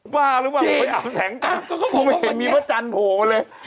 บ้าหรือเปล่าไปถามแสงจันทร์คงไม่เห็นมีพระจันทร์โผล่มาเลย